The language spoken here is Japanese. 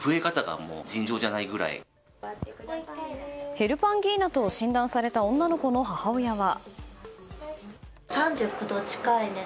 ヘルパンギーナと診断された女の子の母親は。